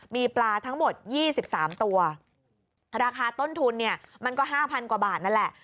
มีปลาทั้งหมดยี่สิบสามตัวราคาต้นทุนเนี่ยมันก็ห้าพันกว่าบาทนั่นแหละ